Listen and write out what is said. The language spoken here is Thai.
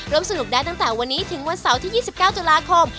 สนุกได้ตั้งแต่วันนี้ถึงวันเสาร์ที่๒๙ตุลาคม